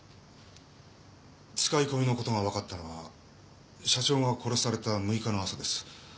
使い込みのことがわかったのは社長が殺された６日の朝です。